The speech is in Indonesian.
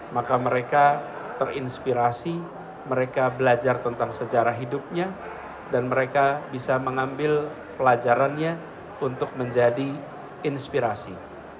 maka mereka terinspirasi mereka belajar tentang sejarah hidupnya dan mereka bisa mengambil pelajarannya untuk menjadi inspirasi